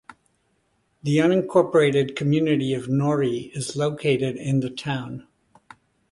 The unincorporated community of Norrie is located in the town.